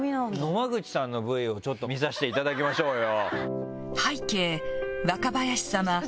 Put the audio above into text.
野間口さんのＶＴＲをちょっと見させていただきましょうよ。